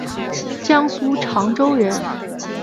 江苏长洲人。